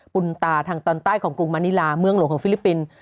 บุญตาทางตอนใต้ของกรุงมานิลาเมืองหลวงของฟิลิปปินส์